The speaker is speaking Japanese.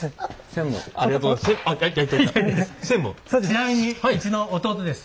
ちなみにうちの弟です。